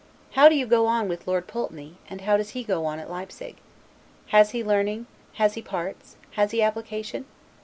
How do you go on with Lord Pulteney, and how does he go on at Leipsig? Has he learning, has he parts, has he application?